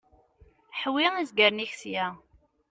Ḥwi izgaren-ik sya.